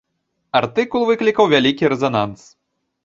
Артыкул выклікаў вялікі рэзананс.